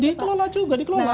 dikelola juga dikelola